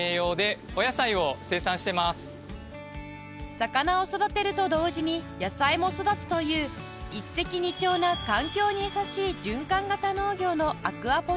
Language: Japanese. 魚を育てると同時に野菜も育つという一石二鳥な環境に優しい循環型農業のアクアポニックス